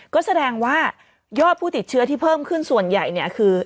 ก็แสดงว่ายอดผู้ติดเชื้อที่เพิ่มขึ้นส่วนใหญ่เนี่ยคือ